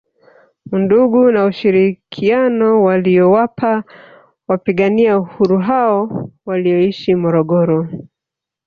Undugu na ushirikiano waliowapa wapigania Uhuru hao walioishi Morogoro